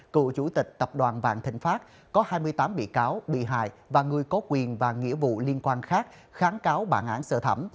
cựu chủ tịch tập đoàn vạn thịnh pháp có hai mươi tám bị cáo bị hại và người có quyền và nghĩa vụ liên quan khác kháng cáo bản án sơ thẩm